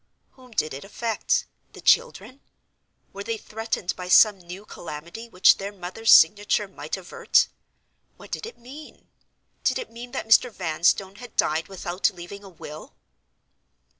Whom did it affect? The children? Were they threatened by some new calamity which their mother's signature might avert? What did it mean? Did it mean that Mr. Vanstone had died without leaving a will?